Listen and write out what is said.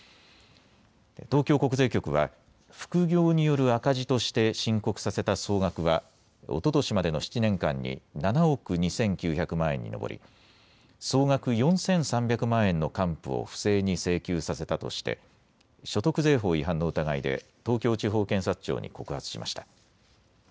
東京国税局は副業による赤字として申告させた総額はおととしまでの７年間に７億２９００万円に上り総額４３００万円の還付を不正に請求させたとして所得税法違反の疑いで東京地方検察庁に告発しました。